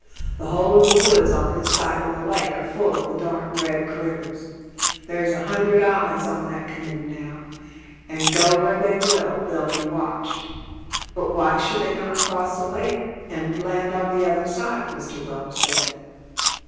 The whole of the woods on this side of the lake are full of the darned red critters. There's a hundred eyes on that canoe now, and, go where they will, they'll be watched." "But why should they not cross the lake and land on the other side?" Mr. Welch said.